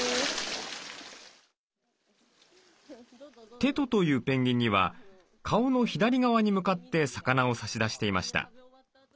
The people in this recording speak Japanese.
テトというペンギンには顔の左側に向かって魚を差し出していました。